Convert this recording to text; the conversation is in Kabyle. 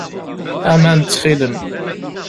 Aman, ttxil-m.